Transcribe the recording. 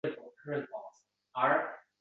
Qisqa muddatli tanaffusdan soʻng boʻlib oʻtadi.